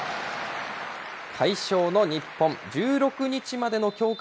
快勝の日本、１６日までの強化